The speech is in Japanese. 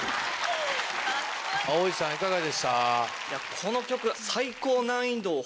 この曲。